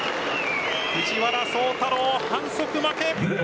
藤原崇太郎、反則負け。